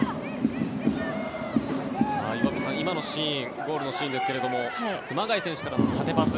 岩渕さん、今のシーンゴールのシーンですが熊谷選手からの縦パス